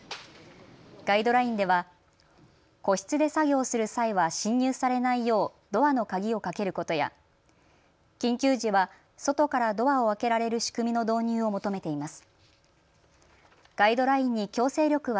ガイドラインでは個室で作業をする際は侵入されないようドアの鍵をかけることや緊急時は外からドアを開けられる仕組みの導入を求めています。